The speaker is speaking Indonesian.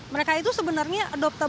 mereka itu sebenarnya adaptable